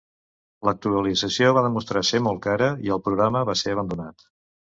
L'actualització va demostrar ser molt cara, i el programa va ser abandonat.